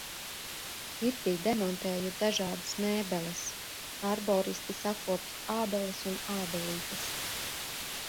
Pirtī demontēju dažādas mēbeles. Arboristi sakopj ābeles un ābelītes.